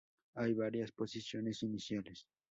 Hay varias posiciones iniciales.